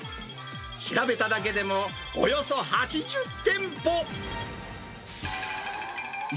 調べただけでもおよそ８０店舗。